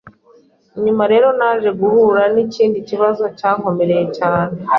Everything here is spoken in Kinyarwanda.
Nyuma rero naje guhura n’ikindi kibazo cyankomereye cyane